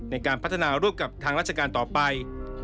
ในการพัฒนาร่วมกับทางราชการต่อไป